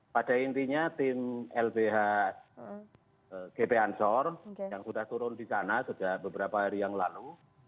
pada intinya tim lbh gp ansor yang sudah turun di sana sudah beberapa hari yang lalu